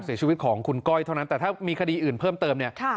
เสียชีวิตของคุณก้อยเท่านั้นแต่ถ้ามีคดีอื่นเพิ่มเติมเนี่ย